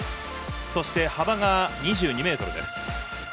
そして幅が２２ｍです。